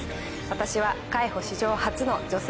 私は海保史上初の女性